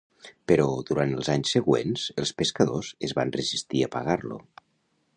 Però, durant els anys següents, els pescadors es va resistir a pagar-lo.